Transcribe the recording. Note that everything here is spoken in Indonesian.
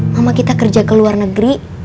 mama kita kerja ke luar negeri